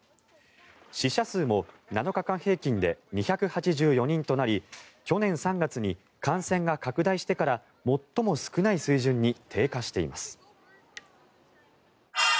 死者数も７日間平均で２８４人となり去年３月に感染が拡大してから最も少ない水準に低下しています。